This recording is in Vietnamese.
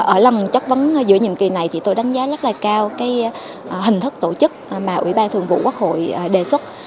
ở lòng chất vấn giữa nhiệm kỳ này thì tôi đánh giá rất là cao cái hình thức tổ chức mà ủy ban thường vụ quốc hội đề xuất